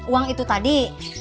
uang itu tadi